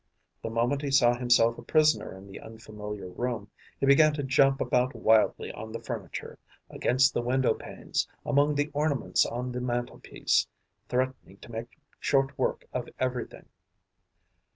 The moment he saw himself a prisoner in the unfamiliar room, he began to jump about wildly on the furniture, against the window panes, among the ornaments on the mantelpiece, threatening to make short work of everything.